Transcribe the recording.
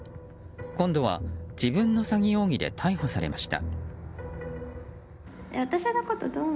今度は、自分の詐欺容疑で逮捕されました。